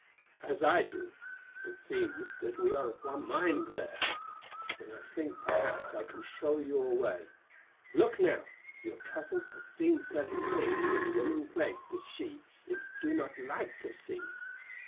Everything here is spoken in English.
"As I do. It seems that we are of one mind there. Then I think that perhaps I can show you a way. Look now, your cousin has seen certain things which women placed as she is do not like to see.